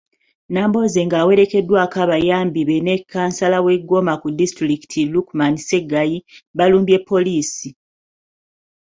Nambooze ng'awerekeddwako abayambi be ne kkansala w'e Goma ku disitulikiti, Lukeman Ssegayi, balumbye poliisi.